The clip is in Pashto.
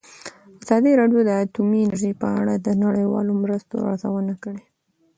ازادي راډیو د اټومي انرژي په اړه د نړیوالو مرستو ارزونه کړې.